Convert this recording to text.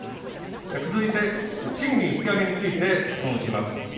続いて賃金引き上げについて質問します。